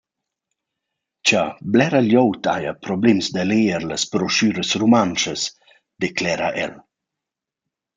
Cha blera glieud haja problems da leger las broschüras rumantschas, declera el.